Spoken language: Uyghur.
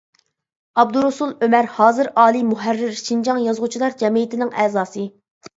ئابدۇرۇسۇل ئۆمەر ھازىر ئالىي مۇھەررىر، شىنجاڭ يازغۇچىلار جەمئىيىتىنىڭ ئەزاسى.